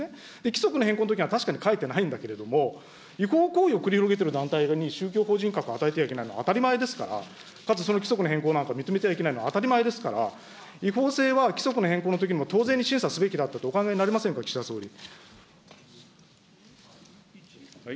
規則の変更のときには確かに書いてないんだけれども、違法行為を繰り広げてる団体に宗教法人格を与えてはいけないのは当たり前ですから、かつその規則の変更なんか認めてはいけないの、当たり前ですから、違法性は、規則の変更のときにも当然審査するべきだとお考えになりませんか、岸田総理。